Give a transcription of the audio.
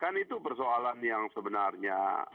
kan itu persoalan yang sebenarnya